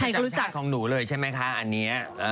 เป็นชุดประชาติของหนูเลยใช่ไหมคะอันนี้